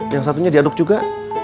yang satunya diaduk juga